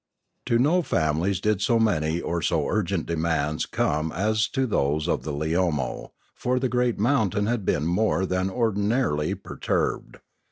To no families did so many or so urgent demands come as to those of the Leomo; for the great mountain had been more than ordinarily perturbed.